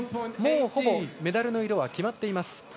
ほぼメダルの色は決まっています。